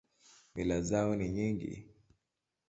Mila zao ni nyingi.